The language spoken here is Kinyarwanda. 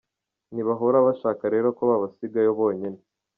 Ntibahora bashaka rero ko babasigayo bonyine.